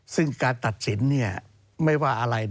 ซึ่งการตัดสินไม่ว่าอะไร